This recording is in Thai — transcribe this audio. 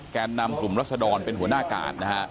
แก้นนำกลุ่มแร็กเวอร์รัสเดียร์เป็นหัวหน้าการ